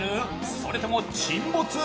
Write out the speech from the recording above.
それとも沈没？